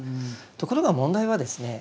ところが問題はですね